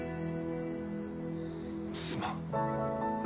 すまん。